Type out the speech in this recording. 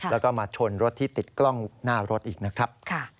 แล้วก็มาชนรถที่ติดกล้องหน้ารถอีกนะครับ